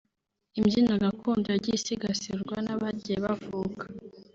Imbyino gakondo yagiye isigasirwa n’abagiye bavuka